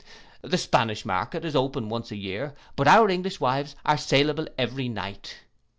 The Spanish market is open once a year, but our English wives are saleable every night.